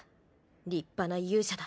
立派な勇者だ。